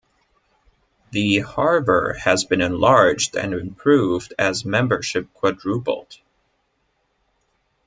The harbor has been enlarged and improved as membership quadrupled.